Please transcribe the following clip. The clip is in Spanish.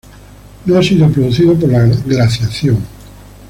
No ha sido producido por la Glaciación.